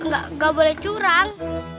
gak boleh curang